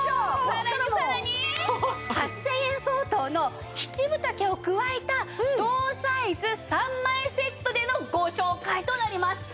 さらにさらに８０００円相当の７分丈を加えた同サイズ３枚セットでのご紹介となります！